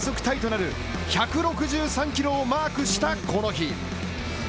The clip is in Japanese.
タイとなる１６３キロをマークした、この日。